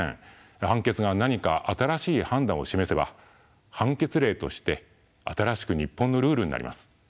判決が何か新しい判断を示せば判決例として新しく日本のルールになります。